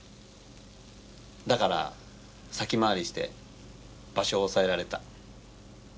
だから先回りして場所を押さえられた。